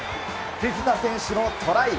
フィフィタ選手のトライ。